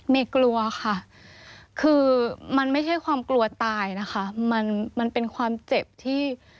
กลัวค่ะคือมันไม่ใช่ความกลัวตายนะคะมันมันเป็นความเจ็บที่